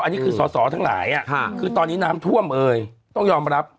อันนี้คือสอสอทั้งหลายคือตอนนี้น้ำท่วมเอ่ยต้องยอมรับ